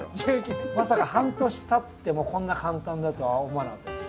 まさか半年たってもこんな簡単だとは思わなかったです。